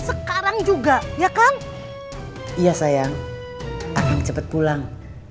sekarang juga ya kang iya sayang akan cepet pulang